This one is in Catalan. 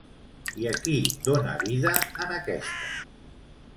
I a qui dona vida en aquesta?